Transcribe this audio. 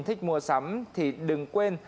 thích mua sắm thì đừng quên